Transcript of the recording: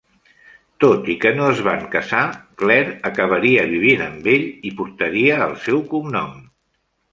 Tot i que no es van casar, Claire acabaria vivint amb ell i portaria el seu cognom.